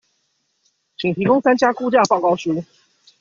請提供三家估價報告書